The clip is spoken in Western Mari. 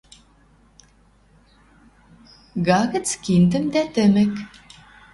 Га гӹц киндӹм дӓ тӹмӹк